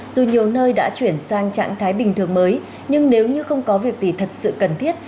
dù nhiều nơi đã chuyển sang trạng thái bình thường mới nhưng nếu như không có việc gì thật sự cần thiết